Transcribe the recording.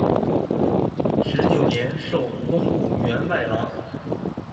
十九年授工部员外郎。